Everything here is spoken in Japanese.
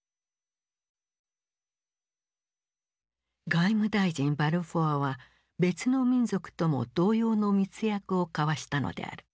外務大臣バルフォアは別の民族とも同様の密約を交わしたのである。